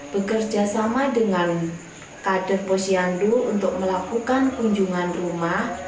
bekerja sama dengan kader posyandu untuk melakukan kunjungan rumah